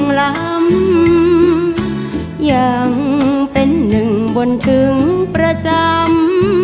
ยังเป็นหนึ่งบนถึงประจำยังเป็นหนึ่งบนถึงประจำ